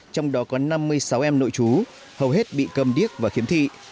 trong đó có năm mươi sáu em nội chú hầu hết bị cầm điếc và khiếm thị